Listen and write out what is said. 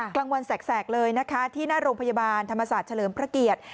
กลางวันแสกเลยนะคะที่หน้าโรงพยาบาลธรรมศาสตร์เฉลิมพระเกียรติ